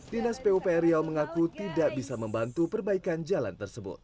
dinas pupr riau mengaku tidak bisa membantu perbaikan jalan tersebut